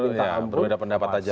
berbeda pendapat saja